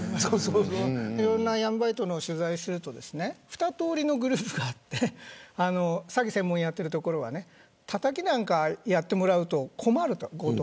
いろんな闇バイトの取材をすると２通りのグループがあって詐欺を専門にやっているところはたたきなんかやってもらうと困ると。